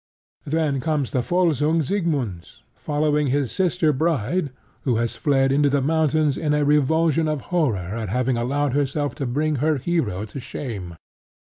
Then comes the Volsung Siegmund, following his sister bride, who has fled into the mountains in a revulsion of horror at having allowed herself to bring her hero to shame.